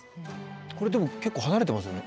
これでも結構離れてますよね。